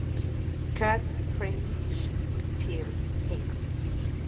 Carl Friedrich Phil.Sigm.